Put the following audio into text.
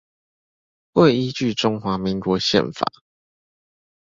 會依據中華民國憲法